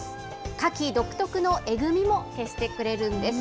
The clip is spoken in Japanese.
カキ独特のえぐみも消してくれるんです。